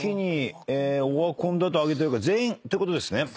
オワコンだと挙げてるから全員ってことですね。